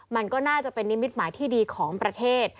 มันก็น่าจะเป็นนิมิตหมายที่ดีของประเทศ